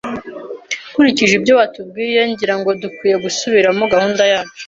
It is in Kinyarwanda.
Nkurikije ibyo watubwiye, ngira ngo dukwiye gusubiramo gahunda yacu.